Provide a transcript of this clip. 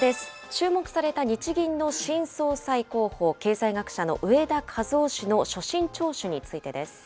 注目された日銀の新総裁候補、経済学者の植田和男氏の所信聴取についてです。